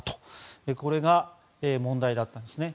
これが問題だったんですね。